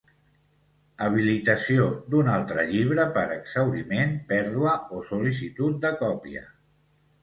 Habilitació d'un altre llibre per exhauriment, pèrdua o sol·licitud de còpia.